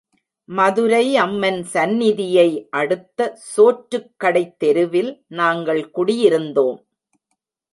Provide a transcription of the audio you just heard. மதுரை அம்மன் சந்நிதியை அடுத்த சோற்றுக் கடைத்தெருவில் நாங்கள் குடியிருந்தோம்.